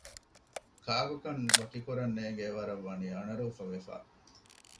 ކާކުކަން ވަކިކުރަން ނޭނގޭ ވަރަށް ވަނީ އަނަރޫފަ ވެފަ